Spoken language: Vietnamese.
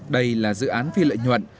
đây là dự án phi lợi nhuận